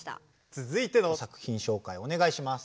続いての作品しょうかいお願いします。